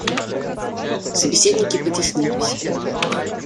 Собеседники потеснились.